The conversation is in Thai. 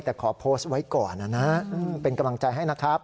แต่ขอโพสต์ไว้ก่อนนะนะเป็นกำลังใจให้นะครับ